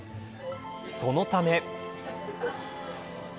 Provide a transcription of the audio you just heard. そのため。